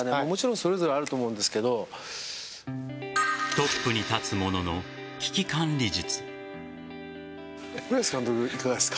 トップに立つ者の危機管理術。